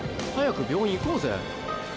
早く病院行こうぜ。